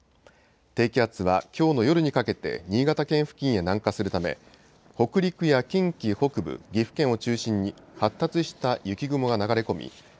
低気圧はきょうの夜にかけて新潟県付近へ南下するため北陸や近畿北部、岐阜県を中心に発達した雪雲が流れ込み